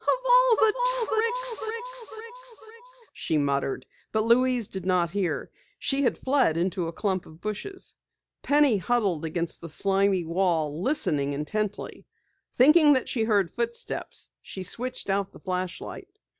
"Of all the tricks " she muttered, but Louise did not hear. She had fled into a clump of bushes. Penny huddled against the slimy wall, listening intently. Thinking that she heard footsteps, she switched out the flashlight.